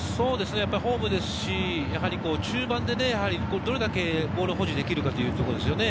ホームですし、中盤でどれだけボールを保持できるかというところですね。